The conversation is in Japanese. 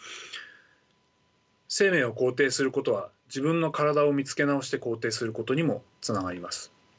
生命を肯定することは自分の体を見つけ直して肯定することにもつながります。